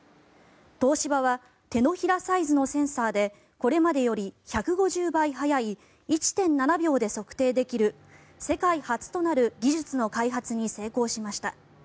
東芝は手のひらサイズのセンサーでこれまでより１５０倍速い１．７秒で測定できる世界初となる技術の開発に成功しました。